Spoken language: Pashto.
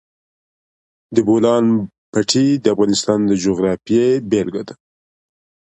د بولان پټي د افغانستان د جغرافیې بېلګه ده.